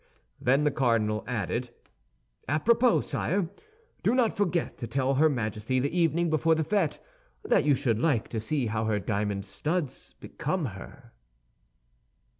Then the cardinal added, "A propos, sire, do not forget to tell her Majesty the evening before the fête that you should like to see how her diamond studs become her."